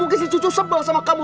mungkin si cucu sebel sama kamu